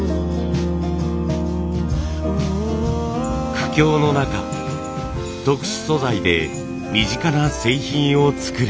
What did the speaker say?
苦境の中特殊素材で身近な製品を作る。